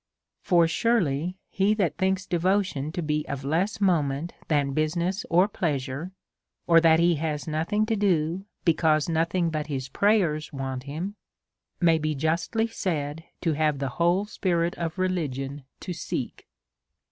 For, surely, he that thinks devotion to be of less moment than business or pleasure, or that he has nothing to do, because nothing but his prayers want him, maybe justly said to have the whole spirit of religion to seek.